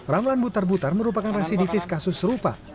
ramlan butar butar merupakan residivis kasus serupa